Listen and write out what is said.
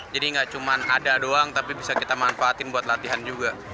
jadi nggak cuma ada doang tapi bisa kita manfaatin buat latihan juga